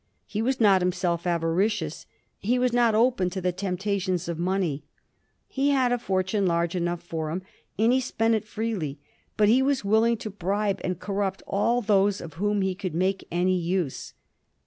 He was not himself avaricious ; he was not open to the temptations of money. He had a fortune large enough for him, and he spent it freely ; but he was willing to bribe and corrupt all those of whom he could make any use.